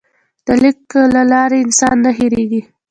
د لیک له لارې انسان نه هېرېږي.